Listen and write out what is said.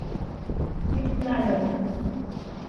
Китмәне!